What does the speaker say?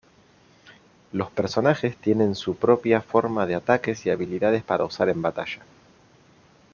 Los personajes tienen su propia forma de ataques y habilidades para usar en batalla.